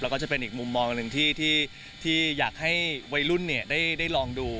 แล้วก็จะเป็นอีกมุมมองหนึ่งที่อยากให้วัยรุ่นได้ลองดู